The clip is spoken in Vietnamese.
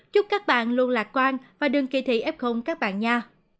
chúc các bạn luôn lạc quan và đừng kỳ thị ép không các bạn nha